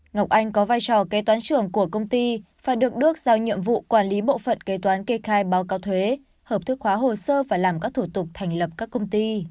ngọc anh có vai trò kế toán trưởng của công ty và được đức giao nhiệm vụ quản lý bộ phận kế toán kê khai báo cáo thuế hợp thức hóa hồ sơ và làm các thủ tục thành lập các công ty